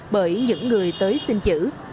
bởi những người tới xin chữ